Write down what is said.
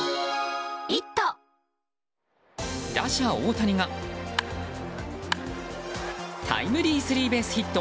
打者・大谷がタイムリースリーベースヒット。